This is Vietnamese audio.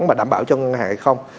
mà đảm bảo cho ngân hàng hay không